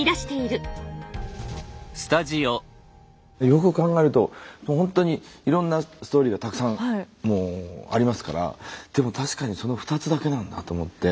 よく考えるともうほんとにいろんなストーリーがたくさんもうありますからでも確かにその２つだけなんだと思って。